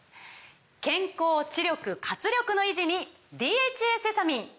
健康・知力・活力の維持に「ＤＨＡセサミン」！